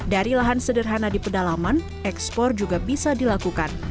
dari lahan sederhana di pedalaman ekspor juga bisa dilakukan